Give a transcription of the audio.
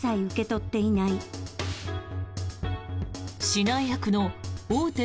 指南役の大手